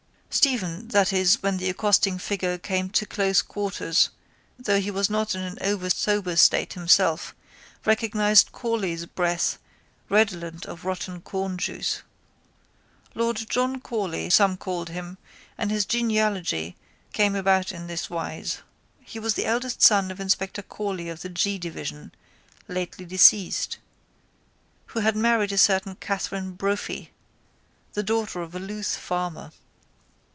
Stephen, that is when the accosting figure came to close quarters, though he was not in an over sober state himself recognised Corley's breath redolent of rotten cornjuice. Lord John Corley some called him and his genealogy came about in this wise. He was the eldest son of inspector Corley of the G division, lately deceased, who had married a certain Katherine Brophy, the daughter of a Louth farmer.